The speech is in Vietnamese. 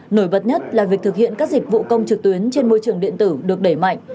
nổi bật nhất là việc thực hiện các dịch vụ công trực tuyến trên môi trường điện tử được đẩy mạnh